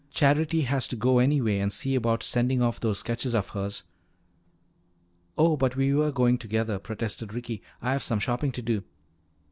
Charity has to go, anyway, and see about sending off those sketches of hers." "Oh, but we were going together," protested Ricky. "I have some shopping to do."